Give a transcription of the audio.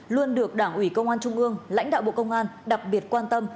luôn được đảng ủy công an trung ương lãnh đạo bộ công an đặc biệt quan tâm